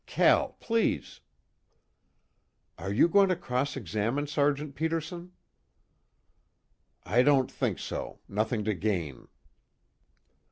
'" "Cal, please!" "Are you going to cross examine Sergeant Peterson?" "I don't think so nothing to gain."